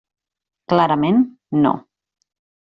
Clarament, no.